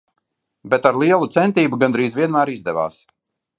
Bet ar lielu centību gandrīz vienmēr izdevās.